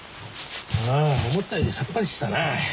ああ思ったよりさっぱりしてたな。